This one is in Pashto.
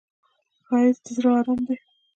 ښایست د زړه آرام دی